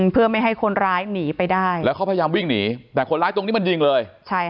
เพื่อไม่ให้คนร้ายหนีไปได้แล้วเขาพยายามวิ่งหนีแต่คนร้ายตรงนี้มันยิงเลย